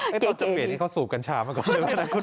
เก่งตอนที่เปลี่ยนให้เขาสูบกัญชามาก่อน